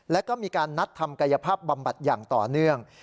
แล้วก็มีการนัดทำกายภาพบำบัดอย่างต่อเนื่อง